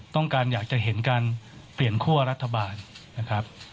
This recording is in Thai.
ต้องการอยากจะเห็นการเปลี่ยนคั่วรัฐบาลนะครับ